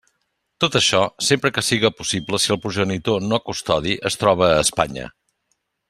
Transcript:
Tot això, sempre que siga possible si el progenitor no custodi es troba a Espanya.